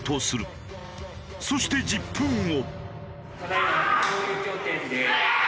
そして１０分後。